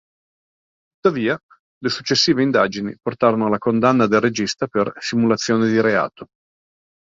Tuttavia, le successive indagini portarono alla condanna del regista per "simulazione di reato".